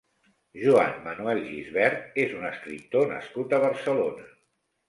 Joan Manuel Gisbert és un escriptor nascut a Barcelona.